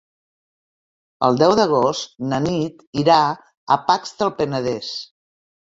El deu d'agost na Nit irà a Pacs del Penedès.